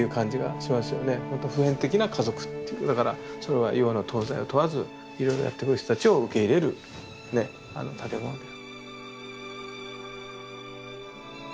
ほんと普遍的な家族っていうだからそれは洋の東西を問わずいろいろやって来る人たちを受け入れるね建物である。